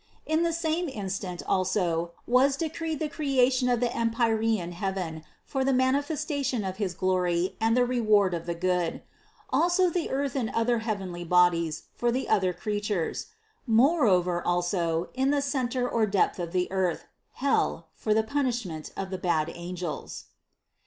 In the same instant also was de creed the creation of the empyrean heaven, for the man ifestation of his glory and the reward of the good ; also the earth and other heavenly bodies for the other crea tures ; moreover also in the center or depth of the earth, hell, for the punishment of the bad angels.